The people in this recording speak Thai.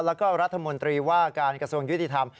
แล้วก็รัฐมนตรีว่าการกระทรวงยุติธรรม